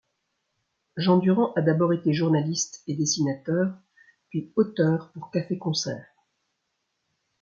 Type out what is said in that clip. Jean Durand a d'abord été journaliste et dessinateur, puis auteur pour café-concert.